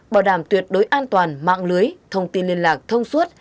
bảo đảm tuyệt đối an toàn mạng lưới thông tin liên lạc thông suốt